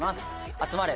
「集まれ！